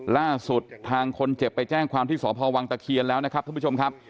ล่าสุดทางคนเจ็บไปแจ้งความที่สพวังตะเคียนแล้วนะครับท่านผู้ชมครับ